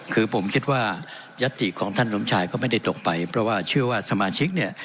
คือผมคิดว่ายัตติของท่านสมชายก็ไม่ได้ตกไปเพราะว่าเชื่อว่าสมาชิกเนี่ย